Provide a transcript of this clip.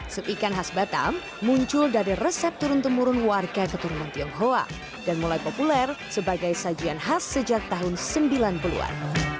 sup ikan khas batam muncul dari resep turun temurun warga keturunan tionghoa dan mulai populer sebagai sajian khas sejak tahun sembilan puluh an